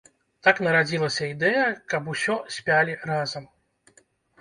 Так нарадзілася ідэя, каб усё спялі разам.